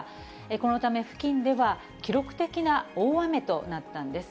このため付近では、記録的な大雨となったんです。